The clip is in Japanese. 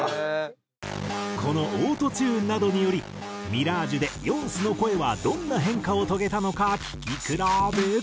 このオートチューンなどにより『Ｍｉｒａｇｅ』でＹＯＮＣＥの声はどんな変化を遂げたのか聴き比べ。